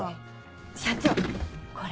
社長これ。